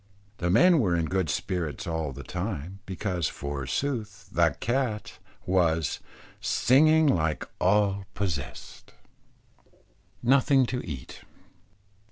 The men were in good spirits all the time, because forsooth, the cat, was "singing like all possessed." NOTHING TO EAT.